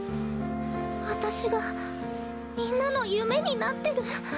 私がみんなの夢になってる？